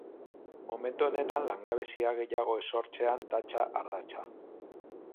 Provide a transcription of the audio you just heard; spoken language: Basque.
Momentu honetan langabezia gehiago ez sortzean datza ardatza.